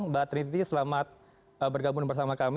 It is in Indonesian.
mba trinity selamat bergabung bersama kita